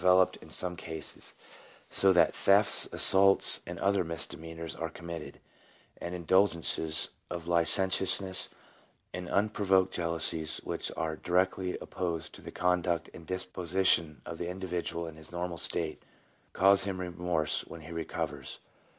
veloped in some cases, so that thefts, assaults, and other misdemeanours are committed, and indulgences of licentiousness and unprovoked jealousies which are directly opposed to the conduct and disposition of the individual in his normal state, cause him remorse when he recovers.